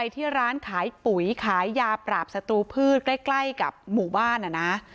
ที่ร้านขายปุ๋ยขายยาปราบศัตรูพืชใกล้กับหมู่บ้านนะ